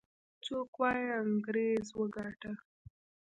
څوک وايي انګريز وګاټه.